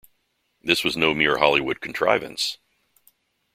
This was no mere Hollywood contrivance.